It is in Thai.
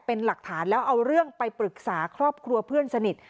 เป็นหลักฐานแล้วเอาเรื่องไปปรึกษาครอบครัวเพื่อนสนิท